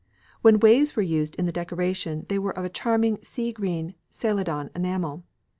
When waves were used in the decoration they were of a charming sea green Celadon enamel.